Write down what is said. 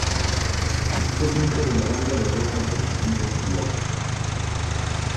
Fue miembro de la banda de "rock alternativo" Lush.